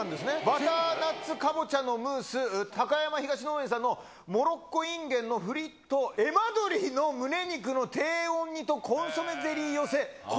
バターナッツカボチャのムース、高山東農園さんのモロッコインゲンのフリットえなどりのむね肉の低温煮とコンソメゼリー寄せ。